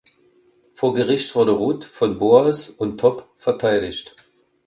Vor Gericht wird Ruth von Boas und Tob verteidigt.